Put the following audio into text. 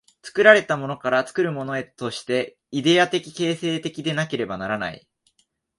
作られたものから作るものへとして、イデヤ的形成的でなければならない。